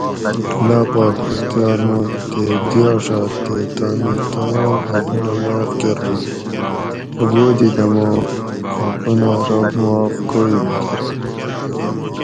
اللّہ پاک اختیار مند تے دیاڛات تے تانی تمام حقونہ معاف کۤرواں خو بودِیدماں حقونہ رب معاف کوئی نہ کۤراں